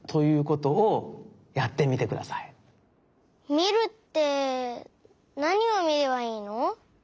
みるってなにをみればいいの？